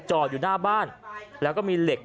อยู่หน้าบ้านแล้วก็มีเหล็ก